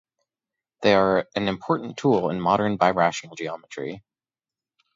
They are an important tool in modern birational geometry.